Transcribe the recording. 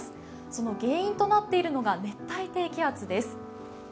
その原因となっているのが熱帯低気圧です。